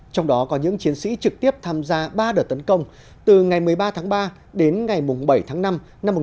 trong đó có những chiến sĩ trực tiếp tham gia ba đợt tấn công từ ngày một mươi ba tháng ba đến ngày bảy tháng năm năm một nghìn chín trăm bốn mươi bốn